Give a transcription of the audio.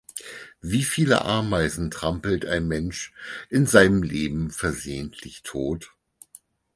Wie viele Ameisen trampelt ein Mensch in seinem Leben versehentlich tot?